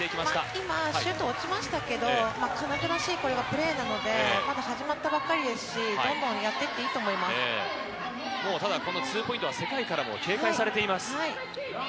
今、シュート落ちましたけど、らしいプレーなので、まだ始まったばっかりですし、どんどんやただこのツーポイントは世界からも警戒されています。